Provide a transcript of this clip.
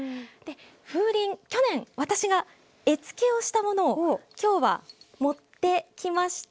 風鈴、去年、私が絵付けをしたものをきょうは持ってきました。